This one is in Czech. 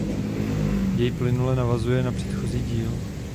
Děj plynule navazuje na předchozí díl.